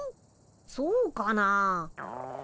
そうかな。